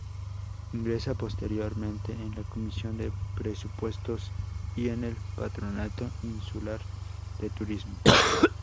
Ingresa posteriormente en la Comisión de Presupuestos y en el Patronato Insular de Turismo.